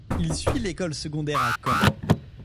Il suit l'école secondaire à Caen.